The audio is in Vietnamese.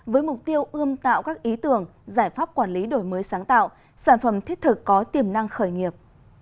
với mục tiêu ươm tạo các ý tưởng giải pháp quản lý đổi mới sáng tạo sản phẩm thiết thực có tiềm năng khởi nghiệp